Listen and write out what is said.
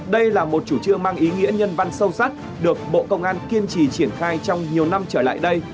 đây là một chủ trương mang ý nghĩa nhân văn sâu sắc được bộ công an kiên trì triển khai trong nhiều năm trở lại đây